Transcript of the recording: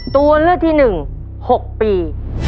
ตัวเลือดที่หนึ่ง๖ปี